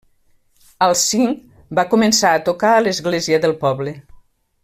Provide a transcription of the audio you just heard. Als cinc, va començar a tocar a l'església del poble.